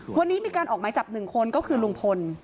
วันนี้มีการออกหมายจับ๑คนก็คือลุงพล